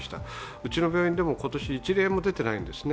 うちの病院でも、今年１例も出ていないんですね。